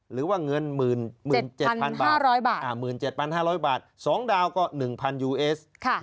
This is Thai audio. หรือว่าเงิน๑๗๕๐๐บาทสองดาวก็๑๐๐๐ยูเอส